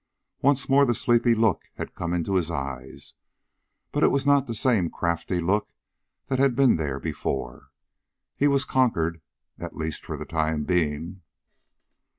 Once more the sleepy look had come into his eyes, but it was not the same crafty look that had been there before. He was conquered, at least for the time being.